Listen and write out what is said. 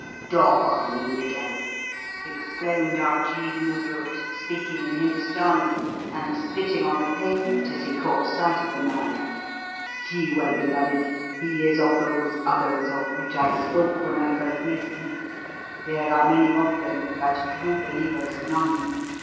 "Dog of an infidel!" exclaimed Arjeeb Noosrut, speaking in Hindustani, and spitting on the pavement as he caught sight of the man. "See, well beloved, he is of those 'others' of which I spoke when I first met thee. There are many of them, but true believers none.